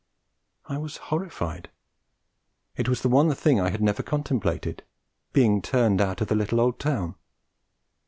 I was horrified. It was the one thing I had never contemplated, being turned out of the little old town!